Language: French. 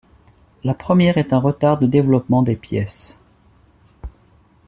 La première est un retard de développement des pièces.